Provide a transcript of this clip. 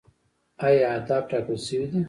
آیا اهداف ټاکل شوي دي؟